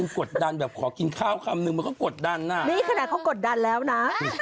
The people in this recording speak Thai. กดดันแบบขอกินข้าวคำนึงมันก็กดดันอ่ะนี่ขนาดเขากดดันแล้วนะ